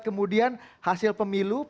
kemudian hasil pemilu